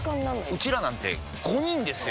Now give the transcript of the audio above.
ウチらなんて５人ですよ！